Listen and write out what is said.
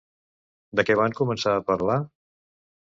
De què van començar a parlar?